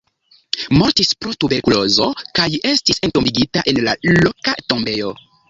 Mortis pro tuberkulozo kaj estis entombigita en loka tombejo.